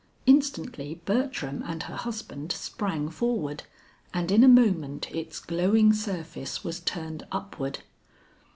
Instantly Bertram and her husband sprang forward, and in a moment its glowing surface was turned upward.